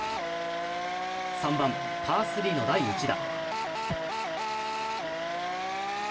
３番パー３の第１打。